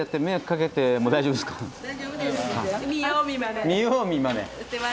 見よう見まね。